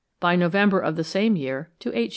by November of the same year to 8s.